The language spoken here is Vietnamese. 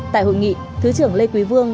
tại hội nghị thứ trưởng lê quý vương